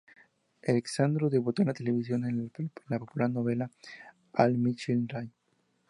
Alexandru debutó en televisión en la popular telenovela "All My Children".